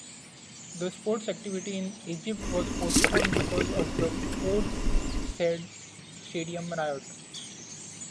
The sports activity in Egypt was postponed because of the Port Said Stadium riot.